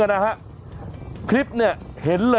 จัดกระบวนพร้อมกัน